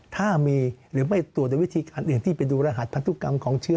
ถ้ามีหรือไม่ตรวจในวิธีการอื่นที่ไปดูรหัสพันธุกรรมของเชื้อ